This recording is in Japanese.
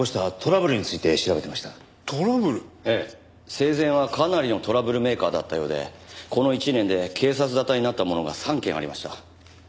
生前はかなりのトラブルメーカーだったようでこの１年で警察沙汰になったものが３件ありました。